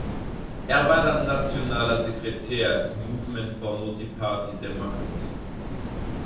Er war dann Nationaler Sekretär des Movement for Multiparty Democracy.